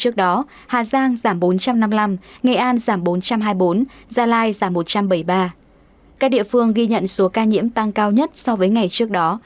các địa phương ghi nhận số ca nhiễm tăng cao nhất so với ngày trước đó